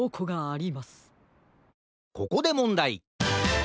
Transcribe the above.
ここでもんだい。